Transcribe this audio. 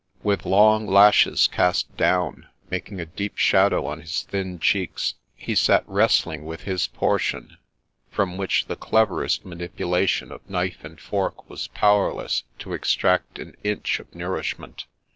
With long lashes cast down, making a deep shadow on his thin cheeks, he sat wrestling with his portion, from which the cleverest manipulation of knife and fork was powerless to extract an inch of nourishment.